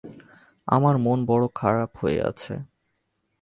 আমার মন বড়ো খারাপ হয়ে আছে।